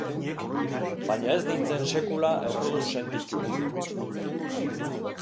Baina ez nintzen sekula errudun sentitu.